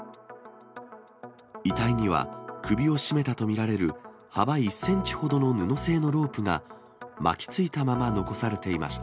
遺体には、首を絞めたと見られる幅１センチほどの布製のロープが巻きついたまま残されていました。